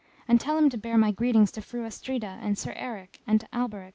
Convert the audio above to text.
And tell him to bear my greetings to Fru Astrida and Sir Eric, and to Alberic."